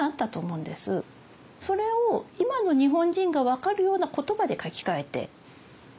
それを今の日本人が分かるような言葉で書き換えて。